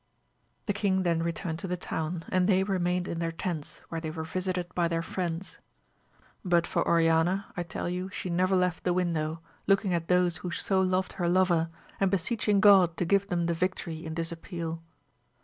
The king then returned to the town, and they remained in their tents where they were visited by their friends. But for Oriana I tell you she never left the window, looking at those who so loved her lover, and beseeching God to give them the victory in this appeal.